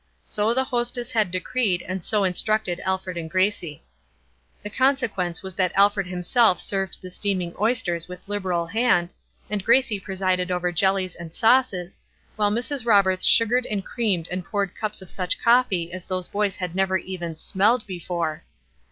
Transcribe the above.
So the hostess had decreed, and so instructed Alfred and Gracie. The consequence was that Alfred himself served the steaming oysters with liberal hand, and Gracie presided over jellies and sauces, while Mrs. Roberts sugared and creamed and poured cups of such coffee as those fellows had never even smelled before.